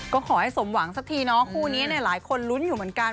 ก็ขอให้สมหวังสักทีเนาะคู่นี้เนี่ยหลายคนลุ้นอยู่เหมือนกัน